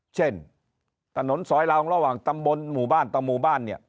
เช่นถนนสอยลางระหว่างตำบลหมู่บ้านต่อหมู่บ้านเนี่ย